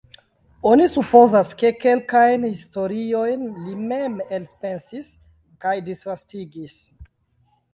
Oni supozas, ke kelkajn historiojn li mem elpensis kaj disvastigis.